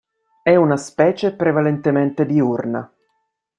È una specie prevalentemente diurna.